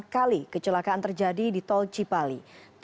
delapan puluh delapan kali kecelakaan terjadi di tol cipali